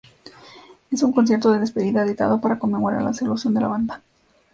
Es un concierto de despedida editado para conmemorar la disolución de la banda.